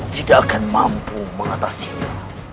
tidak akan mampu mengatasinya